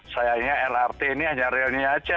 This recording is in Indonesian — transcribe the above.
sayangnya lrt ini hanya realnya aja